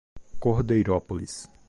Cordeirópolis